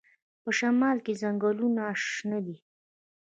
په شمال کې ځنګلونه شنه دي.